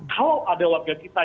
kalau ada warga kita